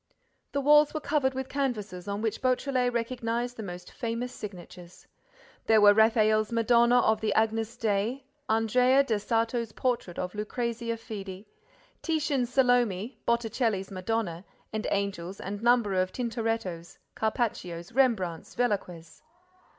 The walls were covered with canvases on which Beautrelet recognized the most famous signatures. There were Raphael's Madonna of the Agnus Dei, Andrea del Sarto's Portrait of Lucrezia Fede, Titian's Salome, Botticelli's Madonna and Angels and numbers of Tintorettos, Carpaccios, Rembrandts, Velasquez.